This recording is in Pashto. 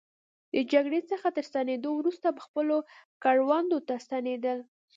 د جګړې څخه تر ستنېدو وروسته به خپلو کروندو ته ستنېدل.